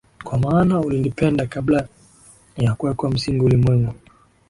kwa maana ulinipenda kabla ya kuwekwa msingi ulimwengu